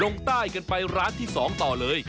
ลงใต้กันไปร้านที่๒ต่อเลย